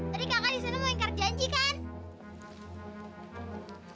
tadi kakak di sana mau ingkar janji kan